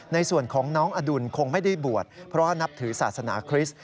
ในส่วนของน้องอดุลคงไม่ได้บวชเพราะนับถือศาสนาคริสต์